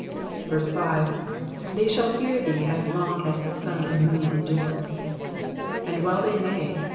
5. ^^They shall fear thee as long as the sun and moon endure,''^ And well they may.